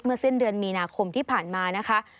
สิ้นเดือนมีนาคมที่ผ่านมานะคะ